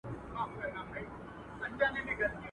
په ژرنده کي دي شپه سه، د زوم کره دي مه سه.